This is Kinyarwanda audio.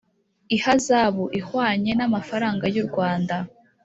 ihazabu ihwanye n amafaranga y u Rwanda